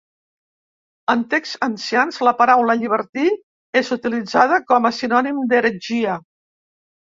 En texts ancians, la paraula llibertí és utilitzada com a sinònim d'heretgia.